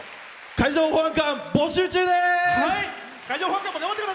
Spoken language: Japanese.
海上保安官、募集中です！